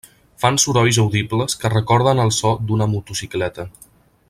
Fan sorolls audibles que recorden el so d'una motocicleta.